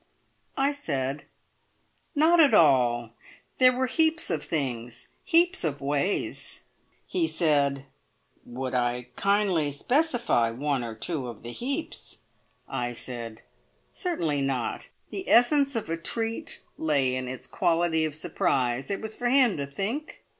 I said, "Not at all! There were heaps of things heaps of ways." He said, "Would I kindly specify one or two of the `heaps'?" I said, "Certainly not! The essence of a treat lay in its quality of surprise. It was for him to think."